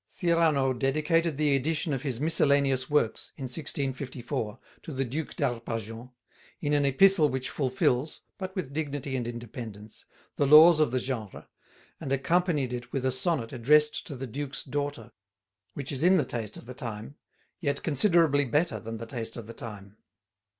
Cyrano dedicated the edition of his "Miscellaneous Works" in 1654 to the Duc d'Arpajon, in an epistle which fulfils, but with dignity and independence, the laws of the genre, and accompanied it with a sonnet addressed to the Duke's daughter, which is in the taste of the time, yet considerably better than the taste of the time.